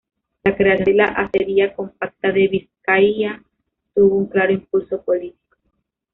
La creación de la Acería Compacta de Bizkaia tuvo un claro impulso político.